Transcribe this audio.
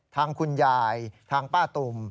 ทางคุณยายทางป้าตุ่ม